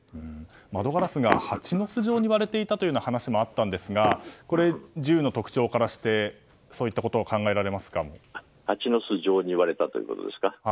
窓ガラスがハチの巣状に割れていたという話もあったんですが銃の特徴からして蜂の巣状に割れたと。